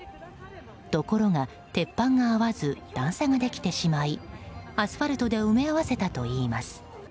ところが、鉄板が合わず段差ができてしまいアスファルトで埋め合わせたといいます。